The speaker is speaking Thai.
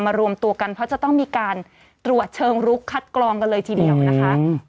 รวมตัวกันเพราะจะต้องมีการตรวจเชิงลุกคัดกรองกันเลยทีเดียวนะคะ